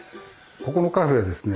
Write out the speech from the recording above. ここのカフェはですね